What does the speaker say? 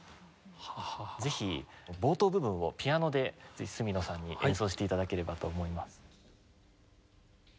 ぜひ冒頭部分をピアノで角野さんに演奏して頂ければと思います。